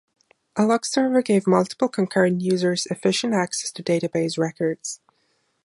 A lock server gave multiple concurrent users efficient access to database records.